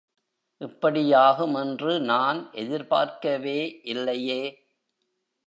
இப்படியாகும் என்று நான் எதிர்பார்க்கவே இல்லையே!